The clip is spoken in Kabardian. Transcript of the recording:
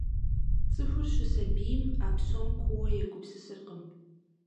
Цӏыхур щысабийм а псом куууэ егупсысыркъым.